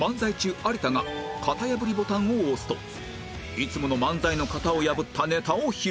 有田が型破りボタンを押すといつもの漫才の型を破ったネタを披露